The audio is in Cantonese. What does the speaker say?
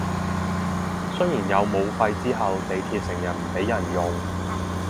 雖然有武肺之後地鐵成日唔畀人用